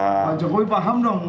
pak jokowi paham dong